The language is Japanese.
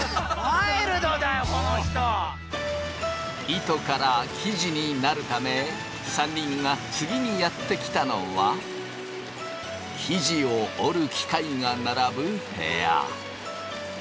糸から生地になるため３人が次にやって来たのは生地を織る機械が並ぶ部屋。